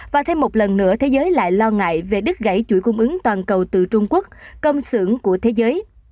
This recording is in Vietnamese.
và thêm một lần nữa thế giới lại lo ngại về đứt gãy chuỗi cung ứng toàn cầu từ trung quốc công xưởng của thế giới